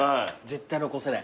絶対残せない。